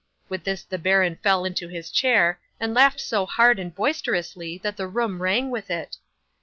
With this the baron fell into his chair, and laughed so loud and boisterously, that the room rang with it.